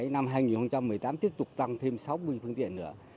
năm hai nghìn một mươi tám tiếp tục tăng thêm sáu mươi phương tiện nữa